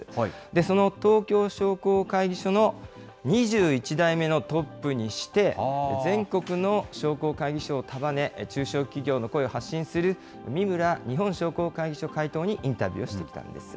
その東京商工会議所の２１代目のトップにして、全国の商工会議所を束ね、中小企業の声を発信する、三村日本商工会議所会頭にインタビューしてきたんです。